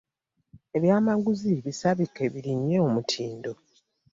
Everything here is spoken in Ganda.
Ebyamaguzi bisabike birinnye omutindo.